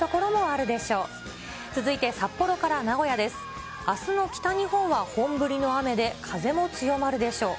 あすの北日本は本降りの雨で、風も強まるでしょう。